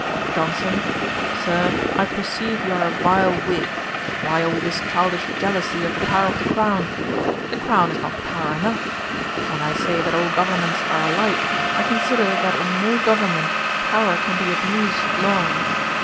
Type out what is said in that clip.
JOHNSON. 'Sir, I perceive you are a vile Whig. Why all this childish jealousy of the power of the crown? The crown has not power enough. When I say that all governments are alike, I consider that in no government power can be abused long.